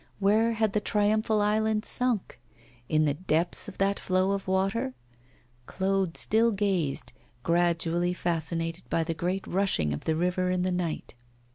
Where had the triumphal island sunk? In the depths of that flow of water? Claude still gazed, gradually fascinated by the great rushing of the river in the night.